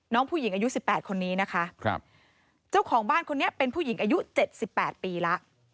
น้องผู้หญิงอายุสิบแปดคนนี้นะคะเจ้าของบ้านคนนี้เป็นผู้หญิงอายุ๗๘ปีแล้ว